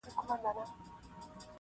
چي پاچا سو انتخاب فیصله وسوه-